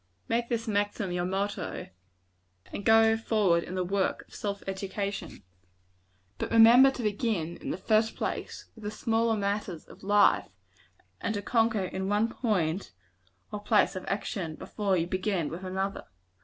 Make this maxim your motto, and go forward in the work of self education. But remember to begin, in the first place, with the smaller matters of life; and to conquer in one point or place of action, before you begin with another.